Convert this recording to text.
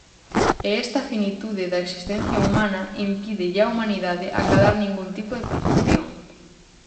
E esta finitude da existencia humana impídelle á humanidade acadar ningún tipo de perfección.